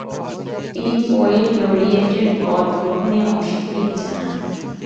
তিনি পোয়েট লরিয়েট-এর পদ গ্রহণে অস্বীকৃতি জানান।